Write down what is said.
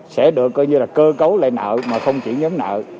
sẽ được coi như là cơ cấu lại nợ mà không chỉ nhóm nợ